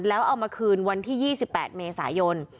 แล้วเอามาคืนวันที่๒๘เมษายน